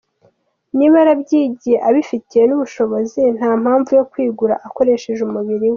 Niba yarabyigiye abifitiye n’ubushobozi nta mpamvu yo kwigura akoresheje umubiri we.